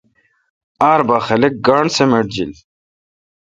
ار بھا خلق گاݨڈ سمٹ جیت۔